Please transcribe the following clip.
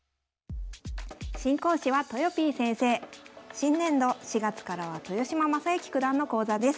新年度４月からは豊島将之九段の講座です。